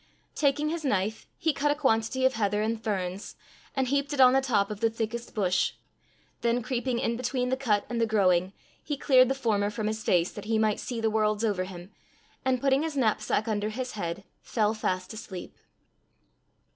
Taking his knife, he cut a quantity of heather and ferns, and heaped it on the top of the thickest bush; then creeping in between the cut and the growing, he cleared the former from his face that he might see the worlds over him, and putting his knapsack under his head, fell fast asleep.